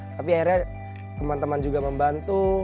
tapi akhirnya teman teman juga membantu